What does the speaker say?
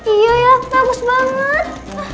iya ya bagus banget